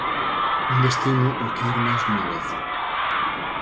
Un destino ao que ir máis dunha vez...